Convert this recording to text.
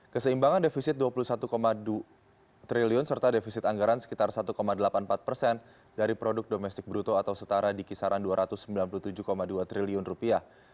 keseimbangan defisit dua puluh satu dua triliun serta defisit anggaran sekitar satu delapan puluh empat persen dari produk domestik bruto atau setara di kisaran dua ratus sembilan puluh tujuh dua triliun rupiah